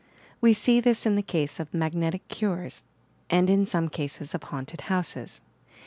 We see this in the case of "magnetic cures," and in some cases of "haunted houses."